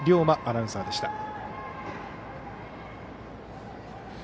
馬アナウンサーでした。